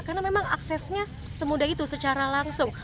karena memang aksesnya semudah itu secara langsung